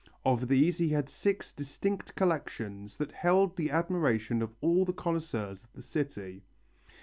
Of these he had six distinct collections that held the admiration of all the connoisseurs of the city.